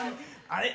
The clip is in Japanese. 「あれ？